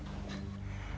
orang orang yang soleh ini